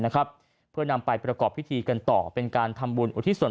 นะครับเพื่อนำไปประกอบพิธีกันต่อเป็นการทำบุญอุทิศส่วน